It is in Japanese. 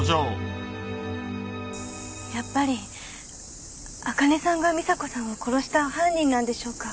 やっぱりあかねさんが美砂子さんを殺した犯人なんでしょうか。